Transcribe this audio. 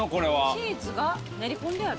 チーズが練り込んである？